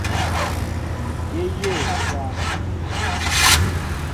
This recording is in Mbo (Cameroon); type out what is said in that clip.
Yé yéʼ osááŋ.